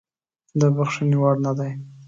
د بخښنې وړ نه دی.